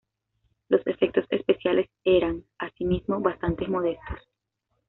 Los efectos especiales eran, así mismo, bastante modestos.